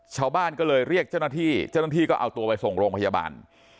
ชาวบ้านก็เลยเรียกเจ้าหน้าที่เจ้าหน้าที่ก็เอาตัวไปส่งโรงพยาบาล